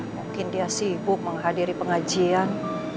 mungkin dia sibuk menghadiri pengajian